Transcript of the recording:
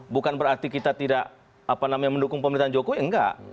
bukan berarti kita tidak mendukung pemerintahan jokowi enggak